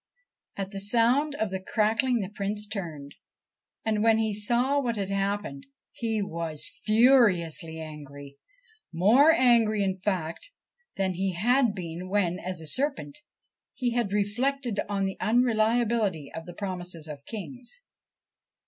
At the sound of the crackling the Prince turned, and, when he saw what had happened, he was furiously angry, more angry, in fact, than he had been when, as a serpent, he had reflected on the un reliability of the promises of kings.